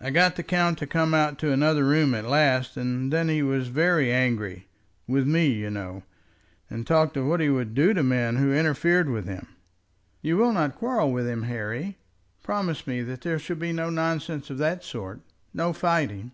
"I got the count to come out into another room at last, and then he was very angry, with me, you know, and talked of what he would do to men who interfered with him." "You will not quarrel with him, Harry? Promise me that there shall be no nonsense of that sort, no fighting."